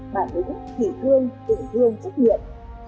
bản lĩnh kỷ thương tử thương trúc nhiệt